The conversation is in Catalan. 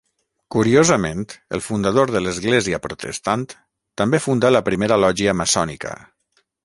Curiosament el fundador de l’església protestant també funda la primera lògia maçònica.